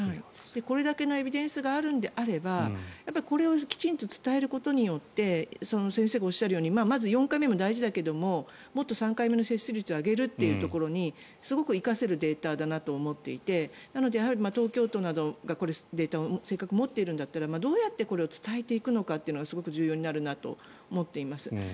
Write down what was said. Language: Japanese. これだけのエビデンスがあるのであればこれをきちんと伝えることによって先生がおっしゃるようにまず４回目も大事だけどももっと３回目の接種率を上げるというところにすごく生かせるデータだと思っていてなので、東京都などがこのデータをせっかく持っているんだったらどうやってこれを伝えていくのかがすごく重要になるなと思っています。